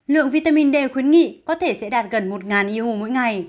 lượng vitamin d khuyến nghị có thể sẽ đạt gần một eu mỗi ngày